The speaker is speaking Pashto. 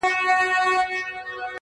او د آس پښو ته د وجود ټول حرکات ولېږه~